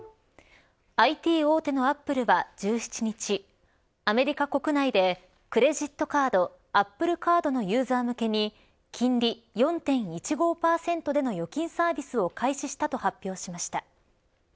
ＩＴ大手のアップルは１７日アメリカ国内でクレジットカードアップルカードのユーザー向けに金利４．１５％での預金サービスを開始したと発表しました。